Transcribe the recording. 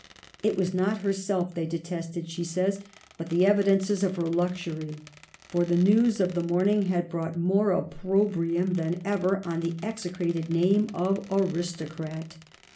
" It was not herself they detested, she says, but the evi dences of her luxury ; for the news of the morn ing had brought more opprobrium than ever on the execrated name of aristocrat.